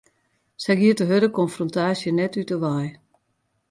Sy giet de hurde konfrontaasje net út 'e wei.